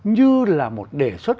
như là một đề xuất